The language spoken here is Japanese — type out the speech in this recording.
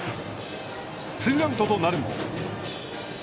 ツーアウトとなるも。